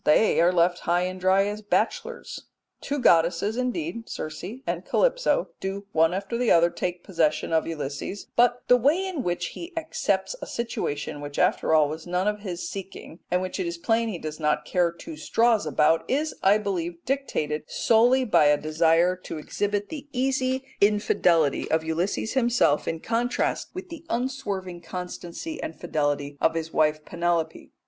They are left high and dry as bachelors. Two goddesses indeed, Circe and Calypso, do one after the other take possession of Ulysses, but the way in which he accepts a situation which after all was none of his seeking, and which it is plain he does not care two straws about, is, I believe, dictated solely by a desire to exhibit the easy infidelity of Ulysses himself in contrast with the unswerving constancy and fidelity of his wife Penelope.